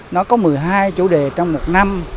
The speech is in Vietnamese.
nó có một mươi hai chủ đề trong một năm